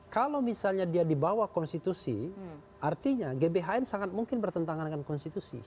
kalau misalnya dia di bawah konstitusi artinya gbhn sangat mungkin bertentangan dengan konstitusi